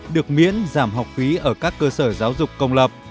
được miễn giảm học phí ở các cơ sở giáo dục công lập